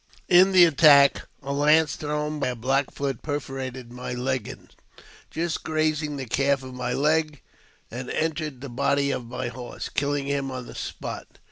In the attack, a lance thrown by a Black Poot, perforated my legging, just grazing the calf of my leg, and entered the body of my horse, killing him on the spot.